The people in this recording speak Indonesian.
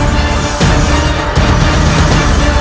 tidak ada apa apa